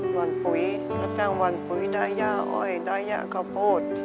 หวานปุ๋ยแล้วก็หวานปุ๋ยได้ย่าอ้อยได้ย่ากะโพด